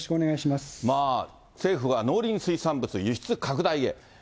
まあ、政府は農林水産物輸出拡大へ。